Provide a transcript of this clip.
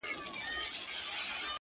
زه چي په بې سېکه گوتو څه وپېيم!